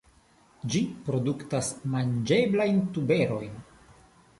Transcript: Ĝi produktas manĝeblajn tuberojn.